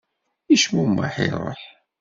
Yecmumeḥ, iruḥ.